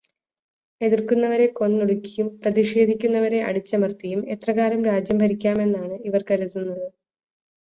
എതിർക്കുന്നവരെ കൊന്നൊടുക്കിയും പ്രതിഷേധിക്കുന്നവരെ അടിച്ചമർത്തിയും എത്രകാലം രാജ്യം ഭരിക്കാമെന്നാണ് ഇവർ കരുതുന്നത്?